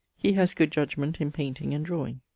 He has good judgement in painting and drawing.